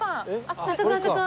あそこあそこ。